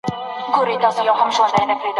که په قلم کي نوک مات وي نو لیکل نه کوي.